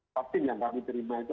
vaksin yang kami terima itu